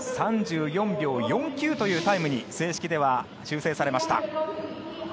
３４秒４９というタイムに正式では修正されました。